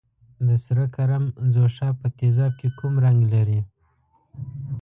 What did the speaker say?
د سره کرم ځوښا په تیزاب کې کوم رنګ لري؟